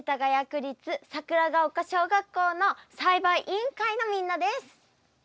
区立桜丘小学校の栽培委員会のみんなです。